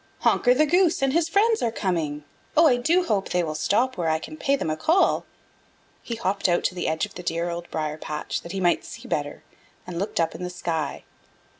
"Honker the Goose and his friends are coming. Oh, I do hope they will stop where I can pay them a call." He hopped out to the edge of the dear Old Briar patch that he might see better, and looked up in the sky.